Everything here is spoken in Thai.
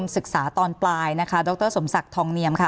มัธยมศึกษาตอนปลายดรส่วนศักดิ์ทองเนียมค่ะ